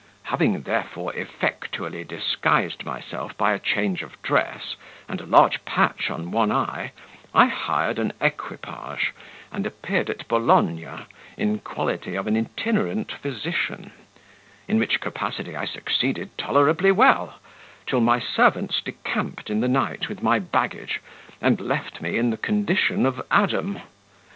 "Having therefore effectually disguised myself by a change of dress, and a large patch on one eye, I hired an equipage, and appeared at Bologna in quality of an itinerant physician; in which capacity I succeeded tolerably well, till my servants decamped in the night with my baggage, and left me in the condition of Adam.